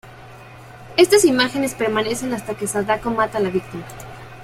Estas imágenes permanecen hasta que Sadako mata a la víctima.